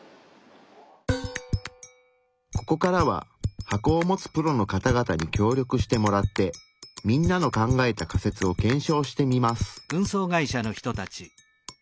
ここからは箱を持つプロの方々に協力してもらってみんなの考えた仮説を検証してみます。